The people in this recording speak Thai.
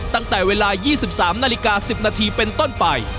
ตั้งแต่เวลา๒๓นาฬิกา๑๐นาทีเป็นต้นไป